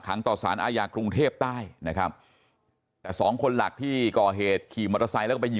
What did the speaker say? ต่อสารอาญากรุงเทพใต้นะครับแต่สองคนหลักที่ก่อเหตุขี่มอเตอร์ไซค์แล้วก็ไปยิง